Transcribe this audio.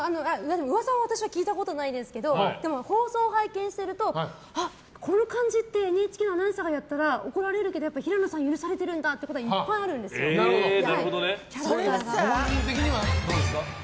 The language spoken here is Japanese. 噂は私は聞いたことないですけどでも放送を拝見しているとあっ、この感じってＮＨＫのアナウンサーがやったら怒られるけど平野さんは許されているんだってこと本人的にはどうですか？